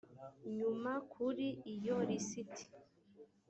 nyuma kuri iyo lisiti